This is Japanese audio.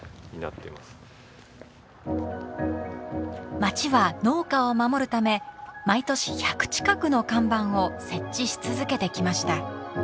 町は農家を守るため毎年１００近くの看板を設置し続けてきました。